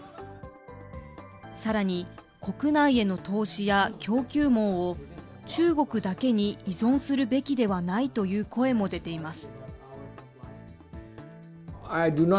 さらに国内への投資や供給網を中国だけに依存するべきではないという声も出ています。